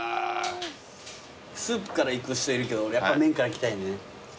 スープからいく人いるけどやっぱ麺からいきたいね。